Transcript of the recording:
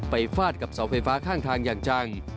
ฟาดกับเสาไฟฟ้าข้างทางอย่างจัง